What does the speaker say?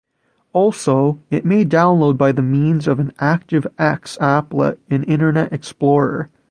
Also, it may download by the means of an ActiveX applet in Internet Explorer.